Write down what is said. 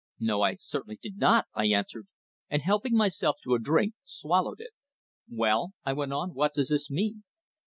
"No. I certainly did not," I answered, and helping myself to a drink, swallowed it. "Well?" I went on. "What does this mean?"